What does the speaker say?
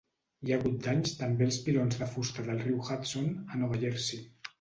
Hi ha hagut danys també als pilons de fusta del Riu Hudson a Nova Jersey.